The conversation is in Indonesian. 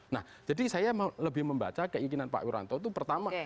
nah jadi saya mau lebih membaca keinginan pak wiranto itu pertama